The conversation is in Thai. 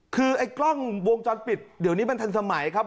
คือไอ้กล้องวงจรปิดเดี๋ยวนี้มันทันสมัยครับ